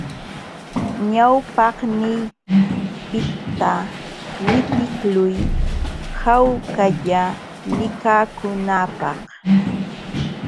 Ñawpaqniiypiqta witiqluy hawkalla likakunaapaq.